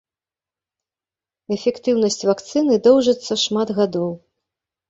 Эфектыўнасць вакцыны доўжыцца шмат гадоў.